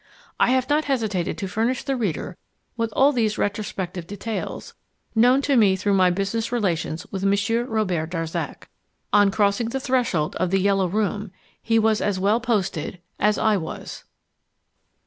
I have not hesitated to furnish the reader with all these retrospective details, known to me through my business relations with Monsieur Robert Darzac. On crossing the threshold of The "Yellow Room" he was as well posted as I was.